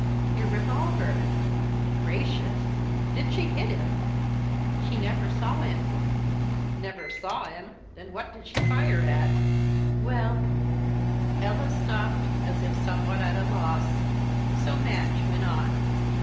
"Your revolver." "Gracious! did she hit him?" "She never saw him." "Never saw him! Then what did she fire at?" "Well " Ella stopped, as if somewhat at a loss. So Madge went on.